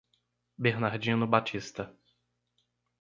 Bernardino Batista